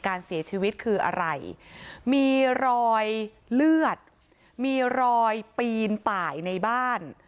การเสียชีวิตคืออะไรมีรอยเลือดมีรอยปีนป่ายในบ้าน